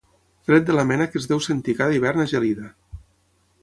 Fred de la mena que es deu sentir cada hivern a Gelida.